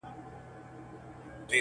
حيوان څه چي د انسان بلا د ځان دي.!